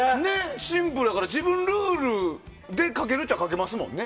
シンプルやから、自分ルールで書けるっちゃ書けますもんね。